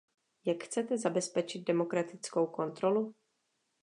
Jak chcete zabezpečit demokratickou kontrolu?